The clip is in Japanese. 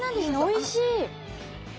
おいしい。